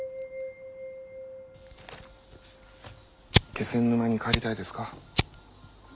気仙沼に帰りたいですか？